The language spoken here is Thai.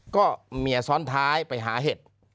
ก็เมียซ้อนท้ายไปหาเห็ด